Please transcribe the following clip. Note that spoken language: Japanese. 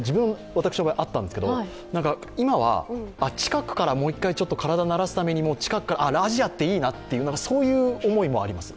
私の場合はあったんですけど今は近くから、もう１回体を慣らすためにも、アジアっていいな、そういう思いもあります。